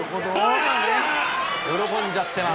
喜んじゃってます。